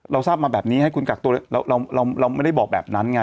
เราทราบมาแบบนี้ให้คุณกักตัวเราไม่ได้บอกแบบนั้นไง